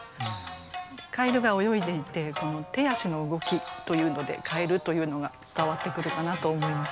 蛙が泳いでいてこの手足の動きというので蛙というのが伝わってくるかなと思います。